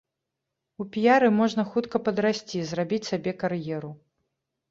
У піяры можна хутка падрасці, зрабіць сабе кар'еру.